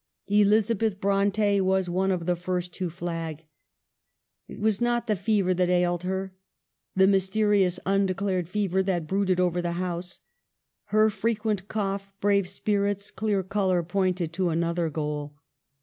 Elizabeth Bronte was one of the first to flag. It was not the fever that ailed her, the mysterious undeclared fever that brooded over the house ; her frequent cough, brave spirits, clear color, pointed to another goal.